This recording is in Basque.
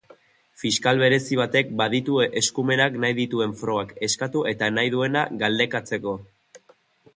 Fiskal berezi batek baditu eskumenak nahi dituen frogak eskatu eta nahi duena galdekatzeko.